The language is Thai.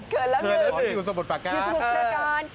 เกินแล้วหนึ่งอยู่สมมุติปาการย์